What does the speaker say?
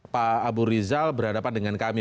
pak abu rizal berhadapan dengan kami